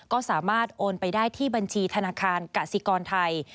ก็สามารถโอนไปได้ที่บัญชีธนาคารกสิกรไทย